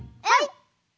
はい！